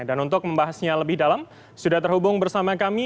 dan untuk membahasnya lebih dalam sudah terhubung bersama kami